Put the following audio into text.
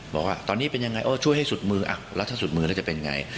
บอกว่าตอนนี้เป็นยังไงช่วยให้สุดมือแล้วถ้าสุดมือแล้วจะเป็นไง